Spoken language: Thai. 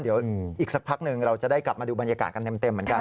เดี๋ยวอีกสักพักหนึ่งเราจะได้กลับมาดูบรรยากาศกันเต็มเหมือนกัน